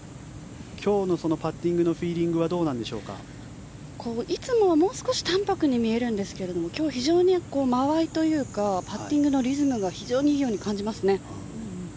今日のパッティングのフィーリングはいつもはもう少し淡白に見えるんですが今日、非常に間合いというかパッティングのリズムが非常にいいように感じますね。